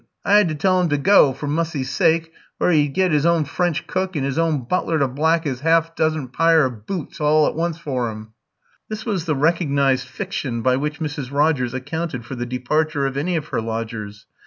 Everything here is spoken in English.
I 'ad to tell 'im to gow, for Mussy's syke, where 'e'd git 'is own French cook, and 'is own butler to black 'is 'arf doz'n pyre o' boots all at once for 'im." This was the recognised fiction by which Mrs. Rogers accounted for the departure of any of her lodgers.